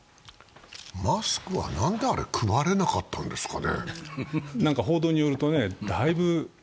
マスクはなんであれ、配れなかったんですかね。